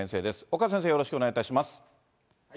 岡先生、よろしくお願いいたします。